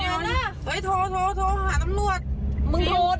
เฮ้ยทำไมทำอย่างนั้นอ่ะ